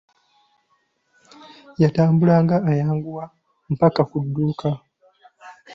Yatambulanga ayanguwa mpaka ku dduuka.